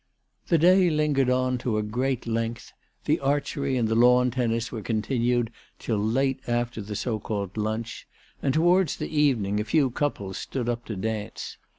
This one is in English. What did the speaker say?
The day lingered on to a great length. The archery and tLe lawn tennis were continued till late after the so called lunch, and towards the evening a few couples stood up to dance.